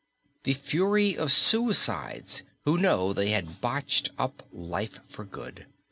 The Fury of suicides who know they have botched up life for good.